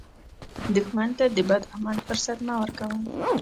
دښمن ته د بد عمل فرصت مه ورکوه